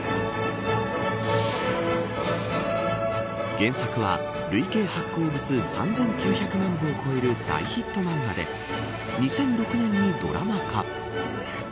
原作は累計発行部数３９００万部を超える大ヒット漫画で２００６年にドラマ化。